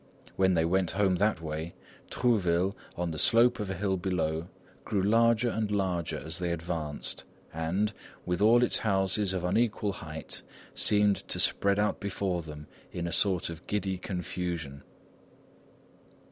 When they went home that way, Trouville, on the slope of a hill below, grew larger and larger as they advanced, and, with all its houses of unequal height, seemed to spread out before them in a sort of giddy confusion.